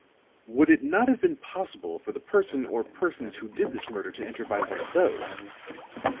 "Would it not have been possible for the person or persons who did this murder to enter by one of those?"